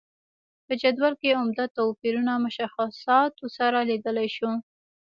په جدول کې عمده توپیرونه مشخصاتو سره لیدلای شو.